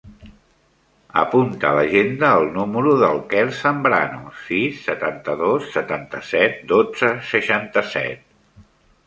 Apunta a l'agenda el número del Quer Zambrano: sis, setanta-dos, setanta-set, dotze, seixanta-set.